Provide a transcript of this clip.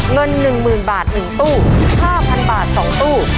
เงินหนึ่งหมื่นบาทหนึ่งตู้ห้าพันบาทสองตู้